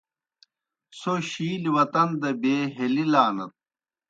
څھو شِیلیْ وطن دہ بیے ہیلِلانَت۔